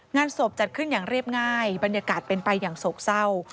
งานศพจัดขึ้นอย่างเรียบง่ายบรรยากาศเป็นไปอย่างโศกเศร้า